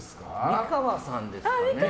美川さんですかね。